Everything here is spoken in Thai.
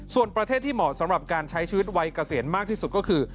ส่วนประเทศที่เหมาะสำหรับการใช้ชีวิตวัยเกษียณมากที่สุดก็คือ